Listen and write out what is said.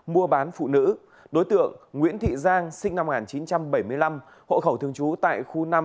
mua bán phụ nữ đối tượng nguyễn thị giang sinh năm một nghìn chín trăm bảy mươi năm hộ khẩu thường trú tại khu năm